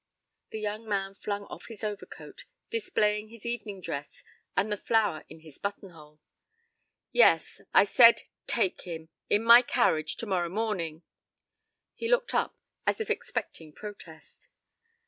The young man flung off his overcoat, displaying his evening dress and the flower in his button hole. "Yes, I said take him in my carriage to morrow morning." He looked up, as if expecting protest.